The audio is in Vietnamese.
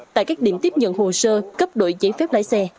tại các điểm tiếp nhận hồ sơ cấp đổi giấy phép lái xe